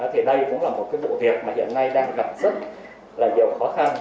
thì đây cũng là một cái vụ việc mà hiện nay đang gặp rất là nhiều khó khăn